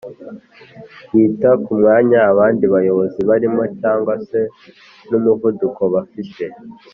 yita kumwanya abandi bayobozi barimo cg se n' umuvuduko bafite